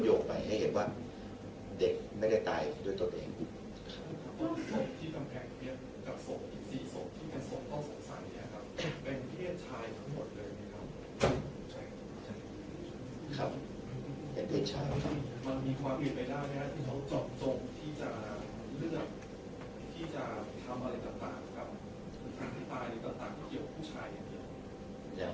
ความที่ตายหรือต่างที่เกี่ยวกับผู้ชายอย่างเงี้ย